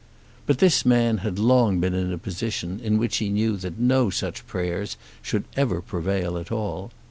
But this man had long been in a position in which he knew that no such prayers should ever prevail at all.